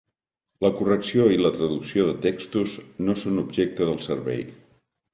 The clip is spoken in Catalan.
La correcció i la traducció de textos no són objecte del servei.